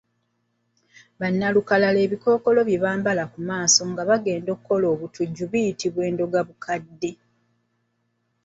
Ba nnalukalala ebikookolo bye bambala ku maaso nga bagenda okukola obutujju biyitibwa Endogabukadde.